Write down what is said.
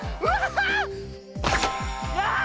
ああ！